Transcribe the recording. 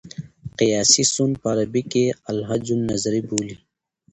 قیاسي سون په عربي کښي الهج النظري بولي.